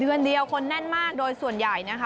เดือนเดียวคนแน่นมากโดยส่วนใหญ่นะคะ